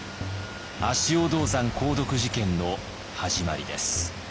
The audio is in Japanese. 足尾銅山鉱毒事件の始まりです。